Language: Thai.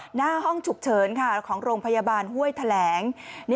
หน้าห้องฉุกเฉินของโรงพยาบาลห้วยแถลง